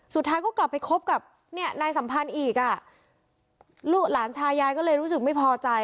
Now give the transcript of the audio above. สุดท้ายก็กลับไปคบกับเนี่ยนายสัมพันธ์อีกอ่ะลูกหลานชายยายก็เลยรู้สึกไม่พอใจ